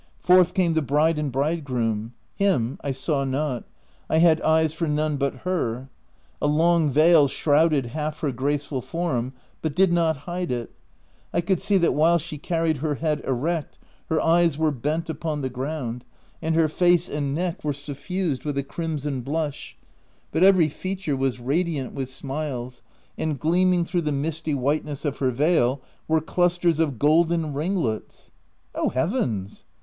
Forth came the bride and bridegroom. Him I saw not ; I had eyes for none but her. A long veil shrouded half her graceful form, but did not hide it; I could see that while she carried her head erect, her eyes were bent upon the ground, and her face and neck were suffused with a crimson blush ; but every feature was radiant with smiles, and, gleaming through the misty white ness of her veil, were clusters of golden ring lets ! O Heavens